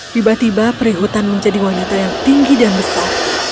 tiba tiba perihutan menjadi wanita yang tinggi dan besar